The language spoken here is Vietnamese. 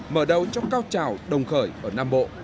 mở đầu cho cao trào đồng khởi ở nam bộ